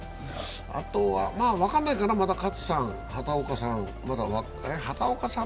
あとはまだ分かんないかな、勝さん、畑岡さん。